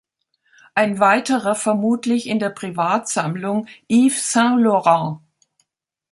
Ein weiterer vermutlich in der Privatsammlung Yves Saint Laurent.